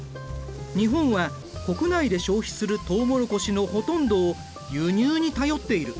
日本は国内で消費するとうもろこしのほとんどを輸入に頼っている。